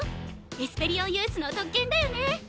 エスペリオンユースの特権だよね！